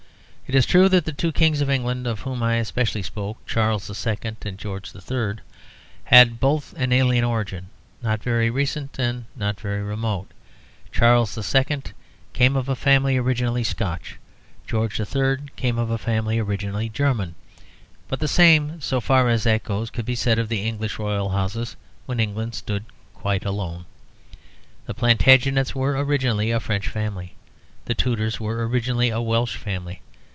It is true that the two Kings of England, of whom I especially spoke, Charles II. and George III., had both an alien origin, not very recent and not very remote. Charles II. came of a family originally Scotch. George III. came of a family originally German. But the same, so far as that goes, could be said of the English royal houses when England stood quite alone. The Plantagenets were originally a French family. The Tudors were originally a Welsh family.